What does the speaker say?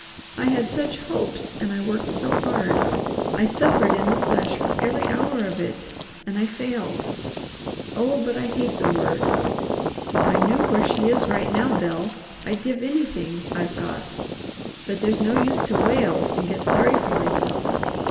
"I had such hopes and I worked so hard. I suffered in the flesh for every hour of it, and I failed. Oh but I hate the word! If I knew where she is right now, Bel, I'd give anything I've got. But there's no use to wail and get sorry for myself.